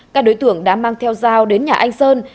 các đối tượng đã mang theo dao đến nhà anh sơn